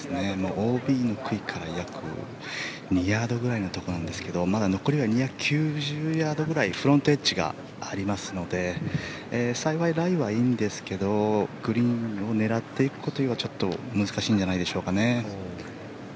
ＯＢの杭から約２ヤードくらいのところなんですがまだ残りは２９０ヤードぐらいフロントエッジがありますので幸いライはいいんですがグリーンを狙っていくことはちょっと難しいんじゃないでしょうかね。